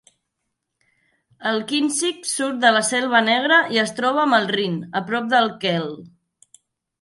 El Kinzig surt de la Selva Negra i es troba amb el Rin, a prop de Kehl.